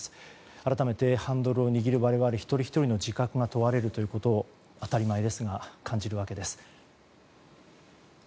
改めてハンドルを握る我々一人ひとりの自覚が問われるということを当たり前ですが感じるわけです。